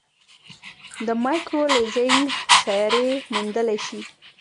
د مایکرو لینزینګ سیارې موندلای شي.